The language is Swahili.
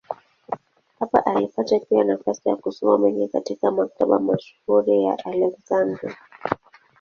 Hapa alipata pia nafasi ya kusoma mengi katika maktaba mashuhuri ya Aleksandria.